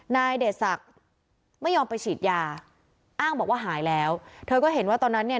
เดชศักดิ์ไม่ยอมไปฉีดยาอ้างบอกว่าหายแล้วเธอก็เห็นว่าตอนนั้นเนี่ย